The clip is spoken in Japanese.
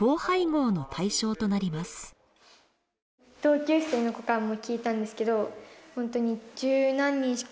同級生の子からも聞いたんですけど。